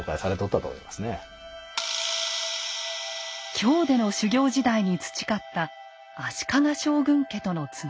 京での修行時代に培った足利将軍家とのつながり。